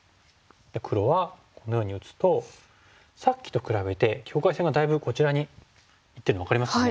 黒はこのように打つとさっきと比べて境界線がだいぶこちらにいってるの分かりますかね。